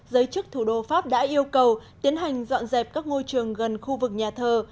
giới chức thủ đô pháp đã yêu cầu tiến hành dọn dẹp các ngôi trường gần khu vực nhà thờ